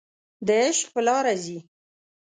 د عشق په لاره ځي